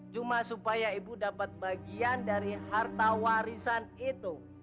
cuma supaya ibu dapat bagian dari harta warisan itu